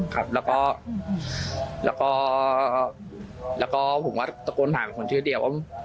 ครับแล้วก็แล้วก็หวัดก็ตกลนถามคนชื่อเดียวว่า